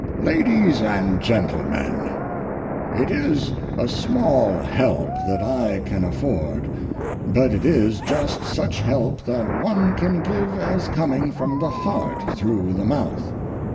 LADIES AND GENTLEMEN,—It is a small help that I can afford, but it is just such help that one can give as coming from the heart through the mouth.